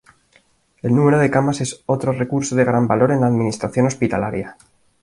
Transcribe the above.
El número de camas es otro recurso de gran valor en la administración hospitalaria.